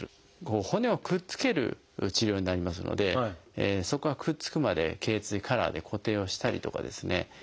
骨をくっつける治療になりますのでそこがくっつくまで頚椎カラーで固定をしたりとかですね